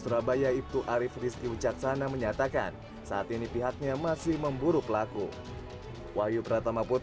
surabaya ibtu arief rizky wicaksana menyatakan saat ini pihaknya masih memburu pelaku wahyu pratama pun